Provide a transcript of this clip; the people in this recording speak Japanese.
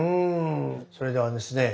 それではですね